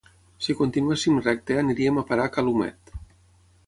si continuéssim recte aniríem a parar a ca l'Humet